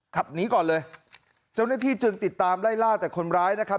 ขับหนีก่อนเลยเจ้าหน้าที่จึงติดตามไล่ล่าแต่คนร้ายนะครับ